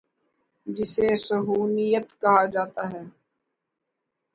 جسے صہیونیت کہا جا تا ہے۔